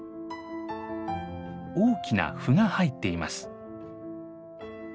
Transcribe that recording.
大きな斑が入っています。